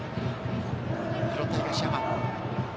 拾った、東山。